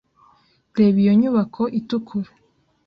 Reba iyo nyubako itukura.